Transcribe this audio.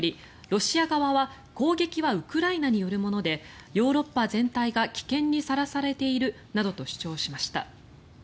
ロシア側は砲撃はウクライナによるものでヨーロッパ全体が危険にさらされているなどと主張しました。